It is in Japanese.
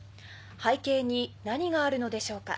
背景に何があるのでしょうか。